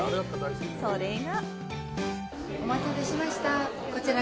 それが。